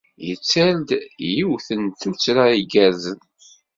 Yetter-d yiwet n tuttra igerrzen.